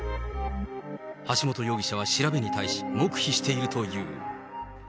橋本容疑者は調べに対し黙秘しているという。